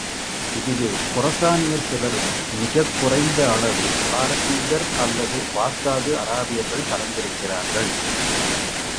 இதிலே கொரசானியர் சிலரும், மிகக் குறைந்த அளவு பாரசீகர்க அல்லது பாக்தாது அராபியர்கள் கலந்திருக்கிறார்கள்.